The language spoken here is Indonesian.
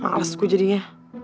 gak alas gue jadinya